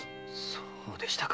そうでしたか。